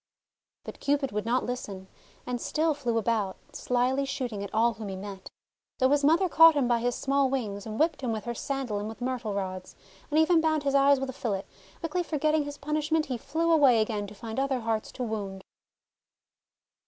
But Cupid would not listen, and still flew 56 THE WONDER GARDEN about, slyly shooting at all whom he met. Though his mother caught him by his small wings, and whipped him with her sandal and with myrtle rods, and even bound his eyes with a fillet, quickly forgetting his punishment, he flew away again to find other hearts to wound.